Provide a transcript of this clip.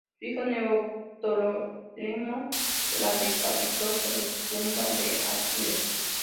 Su hijo Neoptólemo la decapitó sobre la tumba de Aquiles.